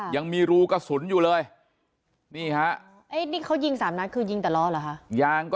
ยังมีรูกระสุนอยู่เลยนี่ฮะ